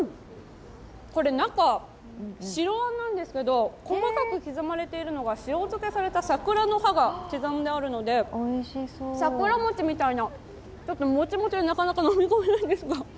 これ、中、白あんなんですけど細かく刻まれているのが塩漬けされた桜の葉が入っているので桜餅みたいな、ちょっともちもちでなかなか飲み込めないんですが。